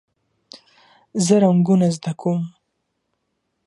زه رنګونه زده کوم.